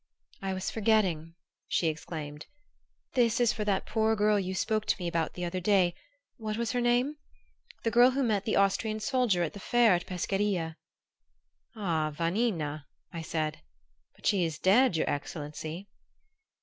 "I was forgetting," she exclaimed. "This is for that poor girl you spoke to me about the other day what was her name? The girl who met the Austrian soldier at the fair at Peschiera " "Ah, Vannina," I said; "but she is dead, your excellency."